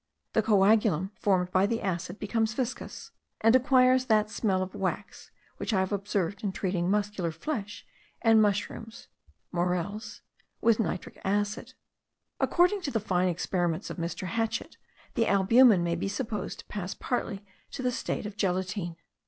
The coagulum formed by the acid becomes viscous, and acquires that smell of wax which I have observed in treating muscular flesh and mushrooms (morels) with nitric acid. According to the fine experiments of Mr. Hatchett, the albumen may be supposed to pass partly to the state of gelatine.